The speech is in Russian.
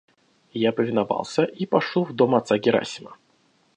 Я повиновался и пошел в дом отца Герасима.